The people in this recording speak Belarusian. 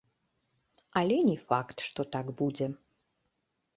Але не факт, што так будзе.